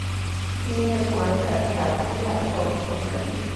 He and his wife Kathy have twelve children.